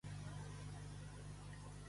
A quin grup de criatures deífiques pertany?